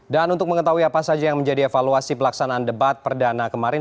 dan untuk mengetahui apa saja yang menjadi evaluasi pelaksanaan debat perdana kemarin